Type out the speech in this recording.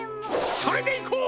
それでいこう！